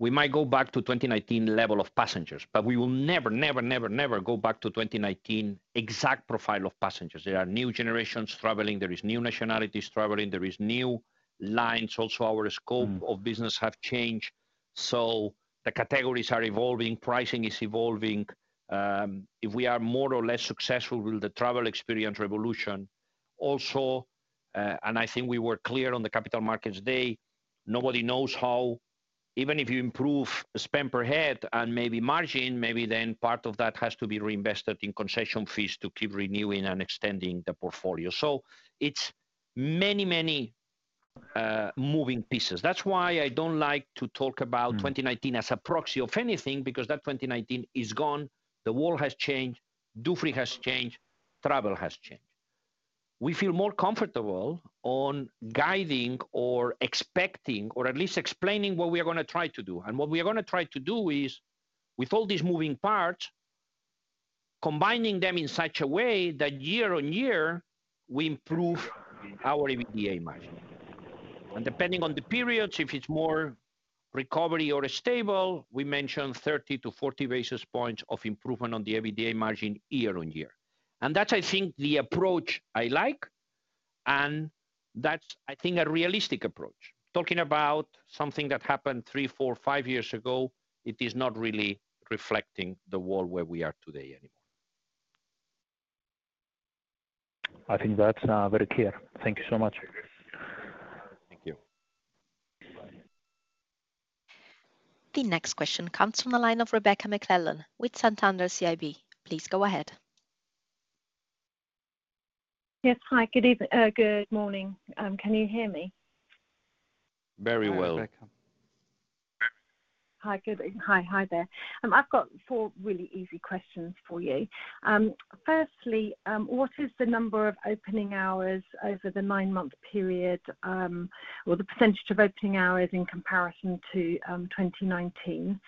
We might go back to 2019 level of passengers, but we will never go back to 2019 exact profile of passengers. There are new generations traveling. There is new nationalities traveling. There is new lines. Also, our scope of business have changed. The categories are evolving, pricing is evolving. If we are more or less successful with the travel experience revolution, and I think we were clear on the Capital Markets Day, nobody knows how. Even if you improve spend per head and maybe margin, maybe then part of that has to be reinvested in concession fees to keep renewing and extending the portfolio. It's many moving pieces. That's why I don't like to talk about 2019 as a proxy of anything because that 2019 is gone. The world has changed. Dufry has changed. Travel has changed. We feel more comfortable on guiding or expecting, or at least explaining what we are gonna try to do. What we are gonna try to do is, with all these moving parts, combining them in such a way that year-on-year we improve our EBITDA margin. Depending on the periods, if it's more recovery or stable, we mention 30-40 basis points of improvement on the EBITDA margin year-on-year. That's I think the approach I like, and that's I think a realistic approach. Talking about something that happened three, four, five years ago, it is not really reflecting the world where we are today anymore. I think that's, very clear. Thank you so much. Thank you. Bye. The next question comes from the line of Rebecca McClellan with Santander CIB. Please go ahead. Yes. Hi. Good morning. Can you hear me? Very well. Hi, Rebecca. Hi. Good. Hi, hi there. I've got four really easy questions for you. Firstly, what is the number of opening hours over the nine-month period, or the percentage of opening hours in comparison to 2019?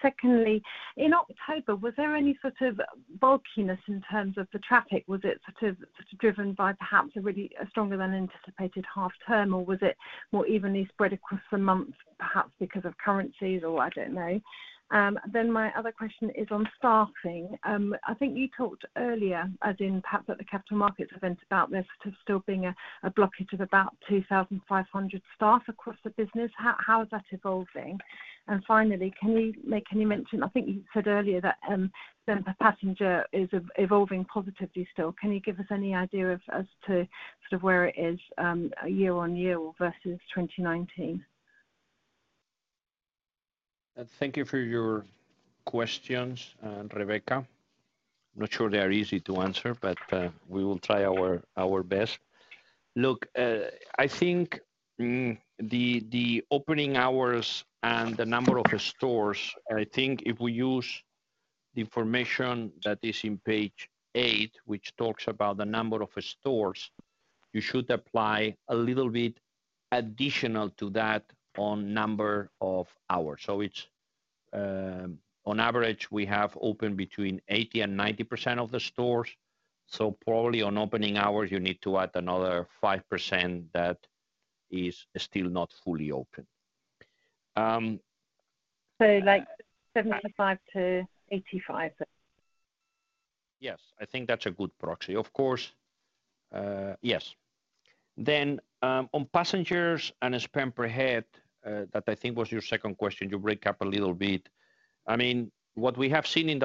Secondly, in October, was there any sort of bumpiness in terms of the traffic? Was it sort of driven by perhaps a really stronger than anticipated half term, or was it more evenly spread across the month, perhaps because of currencies or I don't know? Then my other question is on staffing. I think you talked earlier, as in perhaps at the capital markets event, about there sort of still being a shortage of about 2,500 staff across the business. How is that evolving? Finally, can we make any mention? I think you said earlier that spend per passenger is evolving positively still. Can you give us any idea as to sort of where it is year-over-year or versus 2019? Thank you for your questions, Rebecca. I'm not sure they are easy to answer, but we will try our best. Look, I think the opening hours and the number of stores, I think if we use the information that is in page eight, which talks about the number of stores, you should apply a little bit additional to that on number of hours. So it's on average, we have open between 80% and 90% of the stores, so probably on opening hours you need to add another 5% that is still not fully open. So like seventy-five to eighty-five? Yes. I think that's a good proxy. Of course, yes. On passengers and spend per head, that I think was your second question, you break up a little bit. I mean, what we have seen in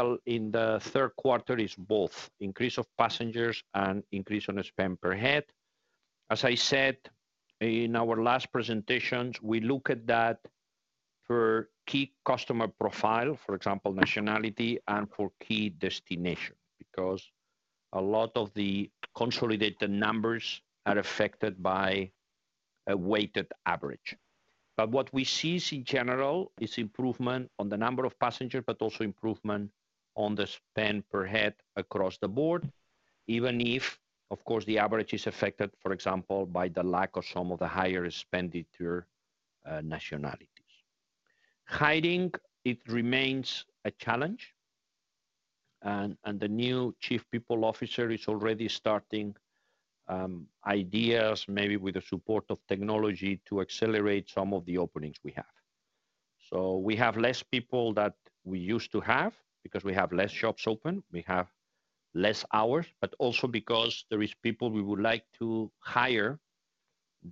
the third quarter is both increase of passengers and increase on the spend per head. As I said in our last presentations, we look at that for key customer profile, for example, nationality and for key destination. Because a lot of the consolidated numbers are affected by a weighted average. What we see is in general improvement on the number of passengers, but also improvement on the spend per head across the board, even if, of course, the average is affected, for example, by the lack of some of the higher spender nationalities. Hiring it remains a challenge and the new Chief People Officer is already starting ideas maybe with the support of technology to accelerate some of the openings we have. We have less people that we used to have because we have less shops open, we have less hours, but also because there is people we would like to hire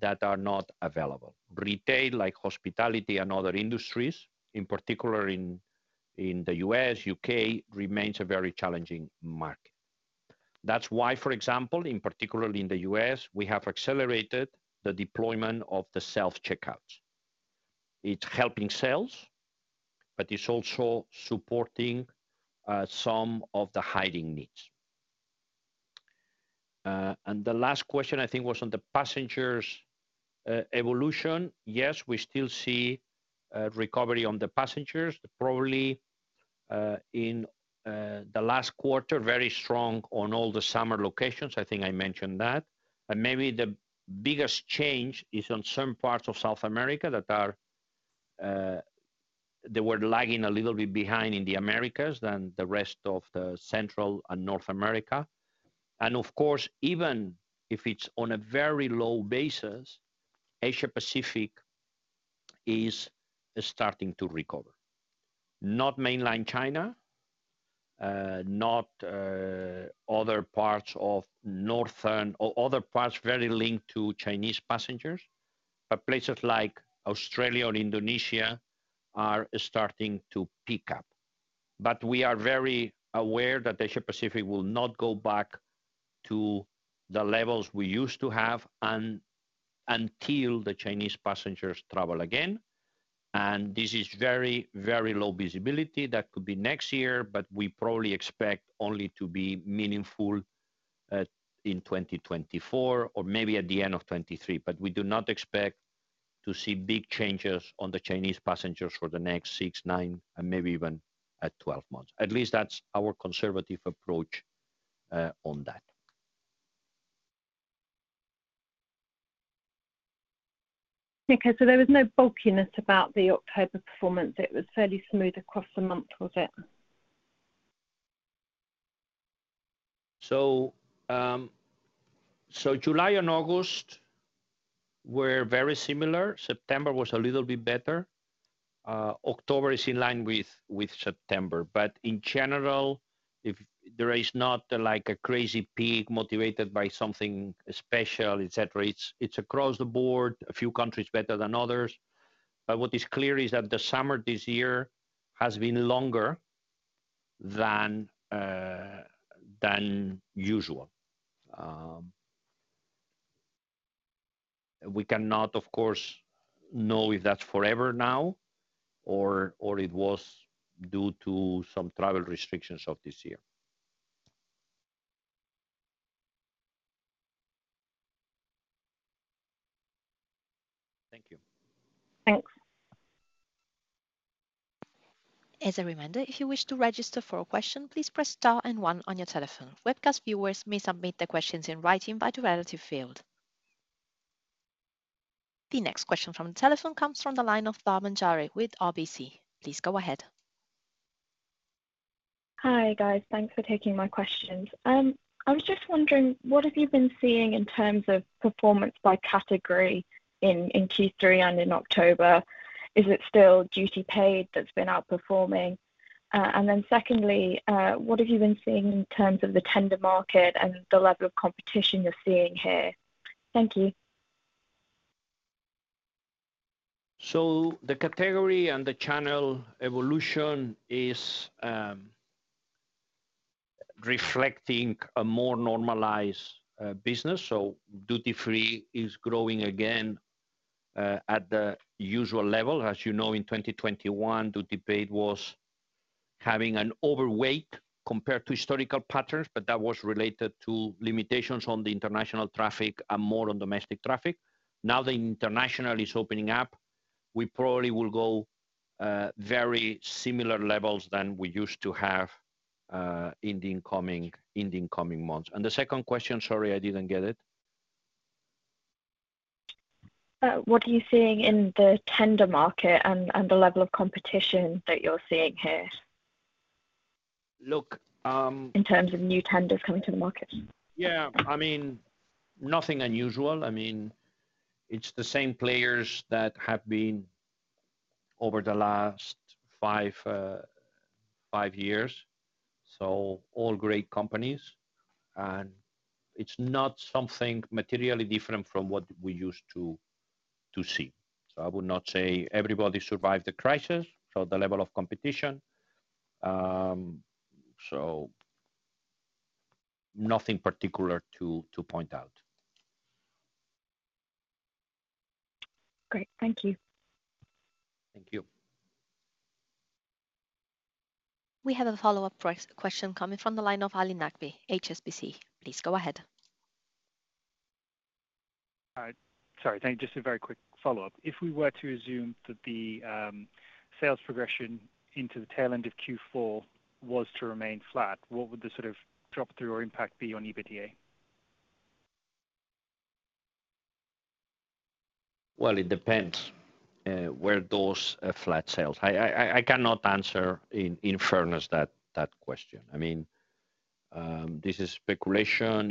that are not available. Retail, like hospitality and other industries, in particular in the U.S., U.K., remains a very challenging market. That's why, for example, in particular in the U.S., we have accelerated the deployment of the self-checkouts. It's helping sales, but it's also supporting some of the hiring needs. The last question, I think, was on the passengers evolution. Yes, we still see recovery on the passengers, probably in the last quarter, very strong on all the summer locations. I think I mentioned that. Maybe the biggest change is on some parts of South America that were lagging a little bit behind in the Americas than the rest of the Central and North America. Of course, even if it's on a very low basis, Asia-Pacific is starting to recover. Not mainland China, not other parts of northern Asia or other parts very linked to Chinese passengers, but places like Australia and Indonesia are starting to pick up. We are very aware that Asia-Pacific will not go back to the levels we used to have until the Chinese passengers travel again. This is very, very low visibility. That could be next year, but we probably expect only to be meaningful at, in 2024 or maybe at the end of 2023. We do not expect to see big changes on the Chinese passengers for the next 6, 9, and maybe even 12 months. At least that's our conservative approach on that. Okay. There was no bumpiness about the October performance. It was fairly smooth across the month, was it? July and August were very similar. September was a little bit better. October is in line with September. In general, if there is not like a crazy peak motivated by something special, et cetera, it's across the board, a few countries better than others. What is clear is that the summer this year has been longer than usual. We cannot of course know if that's forever now or it was due to some travel restrictions of this year. Thank you. Thanks. As a reminder, if you wish to register for a question, please press star and one on your telephone. Webcast viewers may submit their questions in writing by the relevant field. The next question from the telephone comes from the line of Manjari Dhar with RBC. Please go ahead. Hi, guys. Thanks for taking my questions. I was just wondering what have you been seeing in terms of performance by category in Q3 and in October? Is it still duty paid that's been outperforming? Secondly, what have you been seeing in terms of the tender market and the level of competition you're seeing here? Thank you. The category and the channel evolution is reflecting a more normalized business. Duty-free is growing again at the usual level. As you know, in 2021, duty paid was having an overweight compared to historical patterns, but that was related to limitations on the international traffic and more on domestic traffic. Now the international is opening up. We probably will go to very similar levels to what we used to have in the coming months. The second question, sorry, I didn't get it. What are you seeing in the tender market and the level of competition that you're seeing here? Look, In terms of new tenders coming to the market. Yeah. I mean, nothing unusual. I mean, it's the same players that have been over the last five years, so all great companies. It's not something materially different from what we used to see. I would not say everybody survived the crisis, so the level of competition. Nothing particular to point out. Great. Thank you. Thank you. We have a follow-up question coming from the line of Ali Naqvi, HSBC. Please go ahead. All right. Sorry, thank you. Just a very quick follow-up. If we were to assume that the sales progression into the tail end of Q4 was to remain flat, what would the sort of drop through or impact be on EBITDA? Well, it depends where those are flat sales. I cannot answer, in fairness, that question. I mean, this is speculation.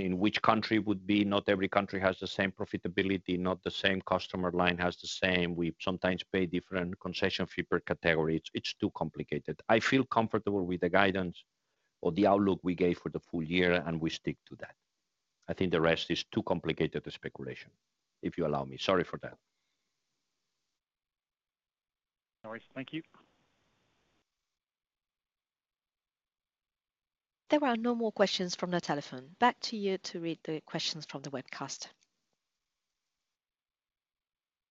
Not every country has the same profitability, not the same customer line has the same. We sometimes pay different concession fee per category. It's too complicated. I feel comfortable with the guidance or the outlook we gave for the full year, and we stick to that. I think the rest is too complicated to speculation, if you allow me. Sorry for that. No worries. Thank you. There are no more questions from the telephone. Back to you to read the questions from the webcast.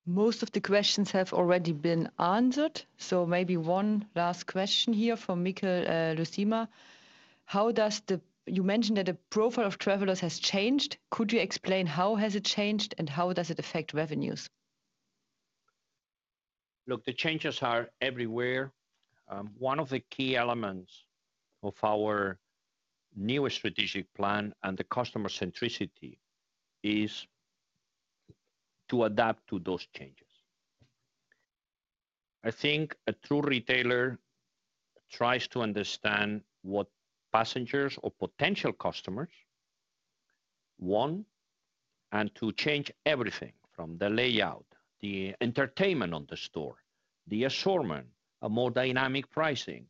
Most of the questions have already been answered, so maybe one last question here from Manuel Lang. You mentioned that the profile of travelers has changed. Could you explain how has it changed and how does it affect revenues? Look, the changes are everywhere. One of the key elements of our newer strategic plan and the customer centricity is to adapt to those changes. I think a true retailer tries to understand what passengers or potential customers want and to change everything from the layout, the entertainment on the store, the assortment, a more dynamic pricing,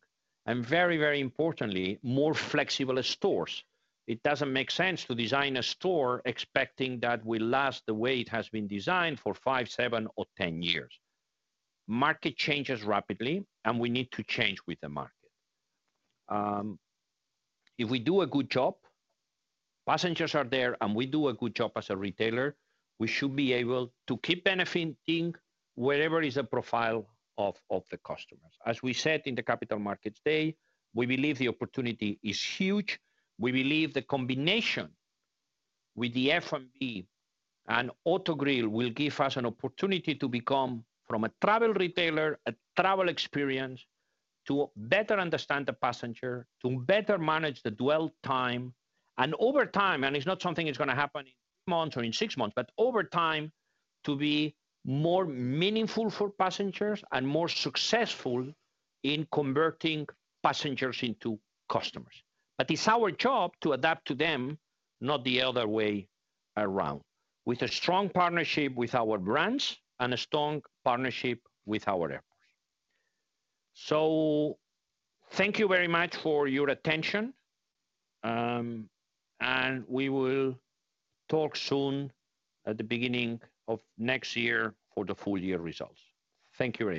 and very, very importantly, more flexible stores. It doesn't make sense to design a store expecting that will last the way it has been designed for five, seven or 10 years. Market changes rapidly, and we need to change with the market. If we do a good job, passengers are there and we do a good job as a retailer, we should be able to keep benefiting whatever the profile of the customers. As we said in the Capital Markets Day, we believe the opportunity is huge. We believe the combination with the F&B and Autogrill will give us an opportunity to become from a travel retailer, a travel experience, to better understand the passenger, to better manage the dwell time. Over time, and it's not something that's gonna happen in three months or in six months, but over time, to be more meaningful for passengers and more successful in converting passengers into customers. It's our job to adapt to them, not the other way around. With a strong partnership with our brands and a strong partnership with our airlines. Thank you very much for your attention. We will talk soon at the beginning of next year for the full year results. Thank you.